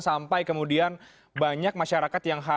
sampai kemudian banyak masyarakat yang harus